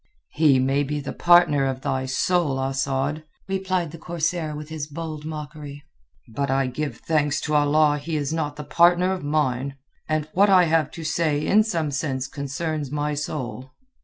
"He may be the partner of thy soul, Asad," replied the corsair with his bold mockery, "but I give thanks to Allah he is not the partner of mine. And what I have to say in some sense concerns my soul."